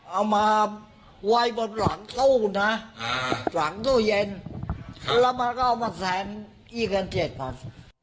เอาเอาไว้เจ็ดพันธุ์ไปเอาไปก็เอาสองร้อยมันแทน